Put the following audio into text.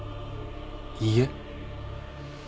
いいえ。